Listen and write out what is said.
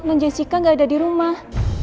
sama jessica gak ada di rumah